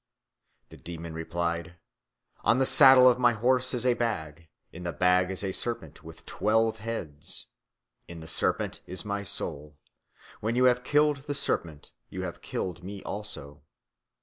The demon replied, "On the saddle of my horse is a bag. In the bag is a serpent with twelve heads. In the serpent is my soul. When you have killed the serpent, you have killed me also."